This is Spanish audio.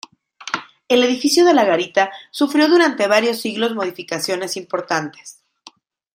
El edificio de la garita sufrió durante varios siglos modificaciones importantes.